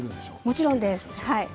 もちろんです。